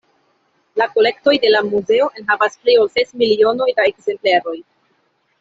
La kolektoj de la Muzeo enhavas pli ol ses milionoj da ekzempleroj.